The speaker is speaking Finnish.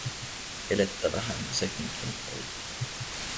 Elettävähän senkin oli.